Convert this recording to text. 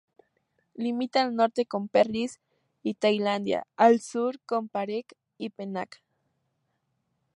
Limita al norte con Perlis y Tailandia, y al sur con Perak y Penang.